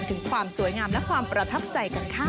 ถึงความสวยงามและความประทับใจกันค่ะ